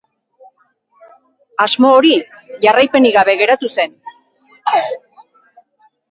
Asmo hori jarraipenik gabe geratu zen.